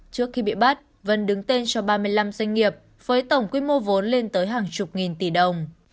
trước khi bị bắt vân đứng tên cho ba mươi năm doanh nghiệp với tổng quy mô vốn lên tới hàng chục nghìn tỷ đồng